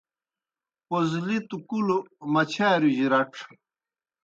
پوزلِتوْ کُلوْ مچھارِیؤجیْ رڇھ۔